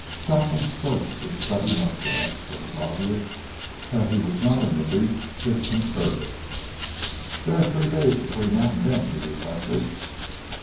Shopland stroked his stubbly moustache. It was obvious that he was not in the least disconcerted. "There are three days between now and then," he reflected.